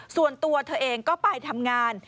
ส่วนตัวเธอเองก็ไปทำงาน